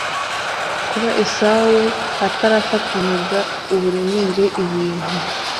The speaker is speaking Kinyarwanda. kuba esawu atarafatanaga uburemere ibintu